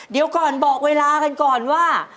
เดี๋ยวก่อนบอกเวลากันก่อนว่า